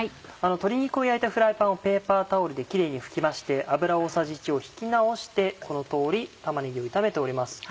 鶏肉を焼いたフライパンをペーパータオルでキレイに拭きまして油大さじ１を引き直してこの通り玉ねぎを炒めております。